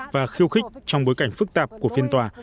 và khiêu khích trong bối cảnh phức tạp của phiên tòa